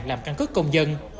làm căn cức công dân